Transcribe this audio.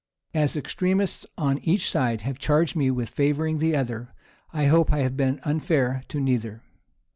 As extremists on each side have charged me with favoring the other, I hope I have been unfair to neither.